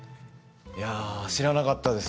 知らなかったです。